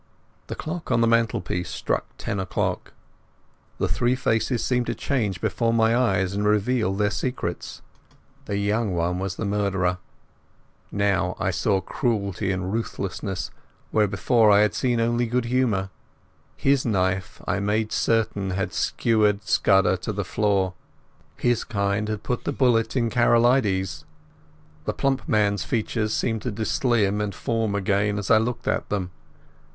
The clock on the mantelpiece struck ten o'clock. The three faces seemed to change before my eyes and reveal their secrets. The young one was the murderer. Now I saw cruelty and ruthlessness, where before I had only seen good humour. His knife, I made certain, had skewered Scudder to the floor. His kind had put the bullet in Karolides. The plump man's features seemed to dislimn, and form again, as I looked at them.